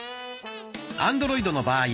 アンドロイドの場合